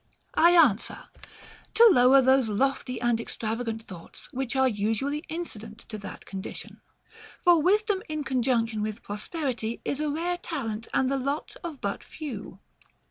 144 HOW TO KNOW A FLATTERER I answer, to lower those lofty and extravagant thoughts which are usually incident to that condition ; for wisdom in conjunction with prosperity is a rare talent and the lot of but few.